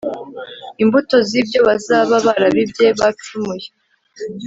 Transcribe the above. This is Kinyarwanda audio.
imbuto zibyo bazaba barabibye Bacumuye